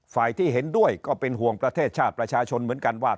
ฝ่ายที่เห็นด้วยก็เป็นห่วงประเทศชาติประชาชนเหมือนกันว่า